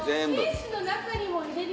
ケースの中にも入れる。